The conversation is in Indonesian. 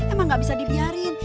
emang gak bisa dibiarin